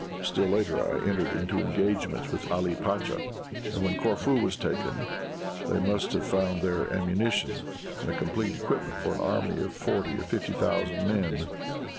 Still later I entered into engagements with Ali Pacha; and when Corfu was taken, they must have found there ammunition, and a complete equipment for an army of forty or fifty thousand men.